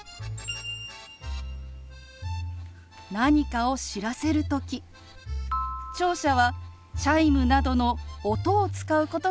何かを知らせる時聴者はチャイムなどの音を使うことが多いですよね。